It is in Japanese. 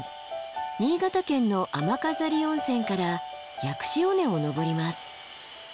新潟県の雨飾温泉から薬師尾根を登ります。